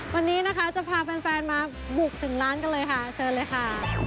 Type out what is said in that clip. วันนี้นะคะจะพาแฟนมาบุกถึงร้านกันเลยค่ะเชิญเลยค่ะ